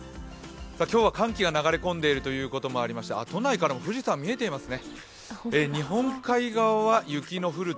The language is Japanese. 今日は寒気が流れ込んでいるということもありまして都内からも富士山、見えていますね